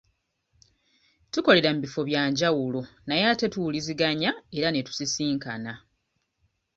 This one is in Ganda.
Tukolera mu bifo bya njawulo naye ate tuwuliziganya era ne tusisinkana.